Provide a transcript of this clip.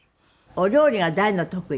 「お料理が大の得意？」